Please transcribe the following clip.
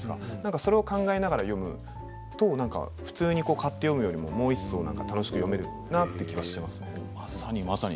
それを考えながら読むと普通に買って読むときももう一層、楽しく読めるなと思っています。